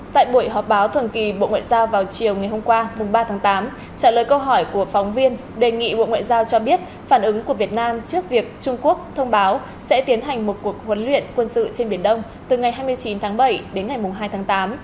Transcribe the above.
tại buổi họp báo thường kỳ bộ ngoại giao vào chiều ngày hôm qua ba tháng tám trả lời câu hỏi của phóng viên đề nghị bộ ngoại giao cho biết phản ứng của việt nam trước việc trung quốc thông báo sẽ tiến hành một cuộc huấn luyện quân sự trên biển đông từ ngày hai mươi chín tháng bảy đến ngày hai tháng tám